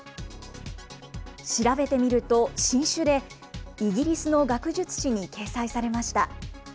調べてみると新種で、イギリスの学術誌に掲載されました。